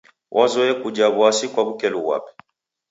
Wazoye kuja w'asi kwa w'ukelu ghwape.